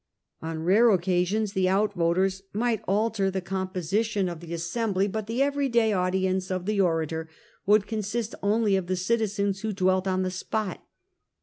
On rare occasions the outvoters might alter the composi TIBERIUS GRACCHUS 24 tion of the assembly, but the everyday audience of the orator would consist only of the citizens who dwelt on the spot.